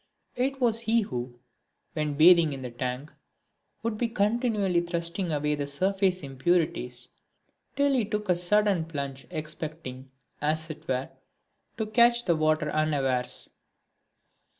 It was he who, when bathing in the tank, would be continually thrusting away the surface impurities till he took a sudden plunge expecting, as it were, to catch the water unawares.